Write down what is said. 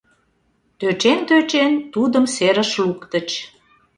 Тӧчен-тӧчен, тудым серыш луктыч.